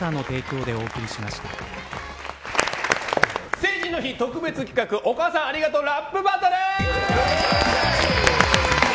成人の日特別企画お母さんありがとうラップバトル。